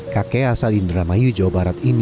kakek asal indramayu jawa barat ini